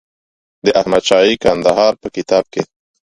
د احمدشاهي کندهار په کتاب کې.